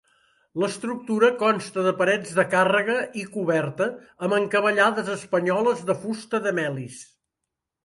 L'estructura consta de parets de càrrega i coberta amb encavallades espanyoles de fusta de melis.